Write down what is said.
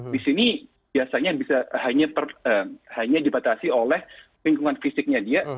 di sini biasanya bisa hanya dibatasi oleh lingkungan fisiknya dia